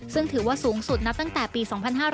ซึ่งถือว่าสูงสุดนับตั้งแต่ปี๒๕๕๙